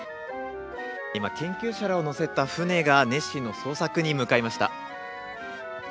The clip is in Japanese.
今、研究者らを乗せた船が、ネッシーの捜索に向かいました。